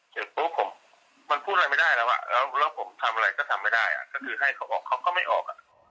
แล้วผมทำอะไรก็ทำไม่ได้ก็คือให้เขาออกเขาก็ไม่ออก